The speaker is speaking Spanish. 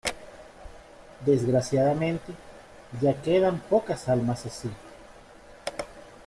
desgraciadamente, ya quedan pocas almas así.